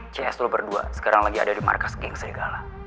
cs itu berdua sekarang lagi ada di markas geng segala